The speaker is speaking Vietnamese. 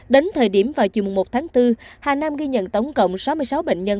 đến thời điểm vào chiều một tháng bốn hà nam ghi nhận tổng cộng sáu mươi sáu bệnh nhân